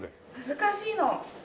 難しいの。